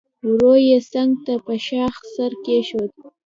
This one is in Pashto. ورو يې څنګ ته په شاخ سر کېښود.